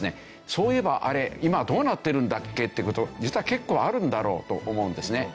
そういえばあれ今どうなってるんだっけ？っていう事実は結構あるんだろうと思うんですね。